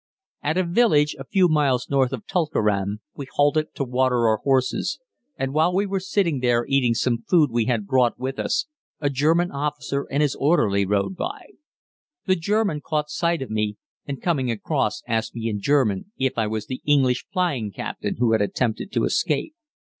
At a village a few miles north of Tulkeram we halted to water our horses, and while we were sitting there eating some food we had brought with us a German officer and his orderly rode by. The German caught sight of me, and coming across asked me in German if I was the English flying captain who had attempted to escape.